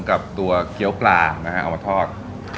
กับตัวเกี้ยวปลานะฮะเอามาทอด